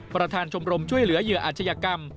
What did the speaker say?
ประธานชมรมช่วยเหลือเหยื่ออาชญากรรม